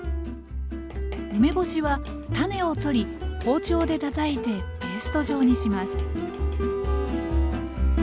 梅干しは種を取り包丁でたたいてペースト状にします